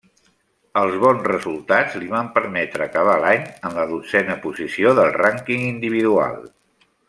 Els bons resultats li van permetre acabar l'any en la dotzena posició del rànquing individual.